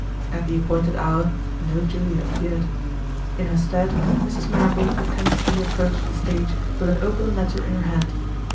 At the appointed hour no Julia appeared. In her stead, Mrs. Marrable portentously approached the stage, with an open letter in her hand.